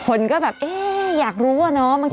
คนก็แบบเอ๊ะอยากรู้อะเนาะ